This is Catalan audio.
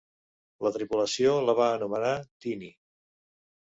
La tripulació la va anomenar "Tiny".